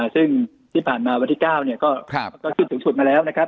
ซึ่งที่ผ่านมาวันที่๙ก็ขึ้นสูงสุดมาแล้วนะครับ